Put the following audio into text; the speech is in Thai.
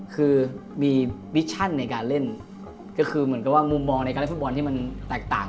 คือมีวิชชั่นในการเล่นก็คือเหมือนกับว่ามุมมองในการเล่นฟุตบอลที่มันแตกต่าง